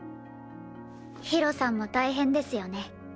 ひろさんも大変ですよね。